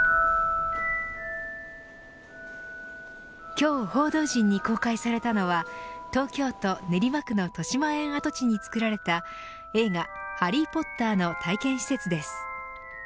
今日、報道陣に公開されたのは東京都練馬区のとしまえん跡地に作られた映画ハリー・ポッターの体験施設です。